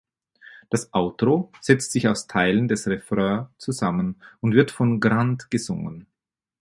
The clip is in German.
Das Outro setzt sich aus Teilen des Refrain zusammen und wird von Grande gesungen.